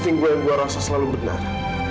dan gue rasa selalu benar